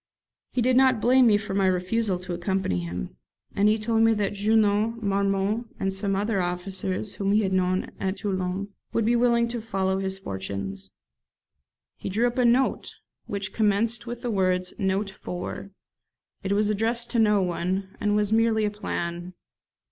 He did not blame me for my refusal to accompany him; and he told me that Junot, Marmont, and some other young officers whom he had known at Toulon, would be willing to follow his fortunes. He drew up a note which commenced with the words 'Note for ...' It was addressed to no one, and was merely a plan.